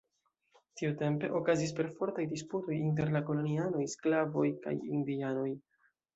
Tiutempe okazis perfortaj disputoj inter la kolonianoj, sklavoj, kaj indianoj.